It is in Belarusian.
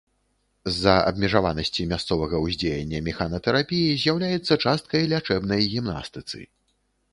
З-за абмежаванасці мясцовага ўздзеяння механатэрапіі з'яўляецца часткай лячэбнай гімнастыцы.